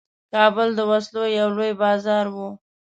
کابل د وسلو یو لوی بازار وو.